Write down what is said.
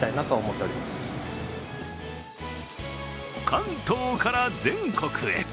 関東から全国へ。